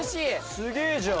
すげえじゃん！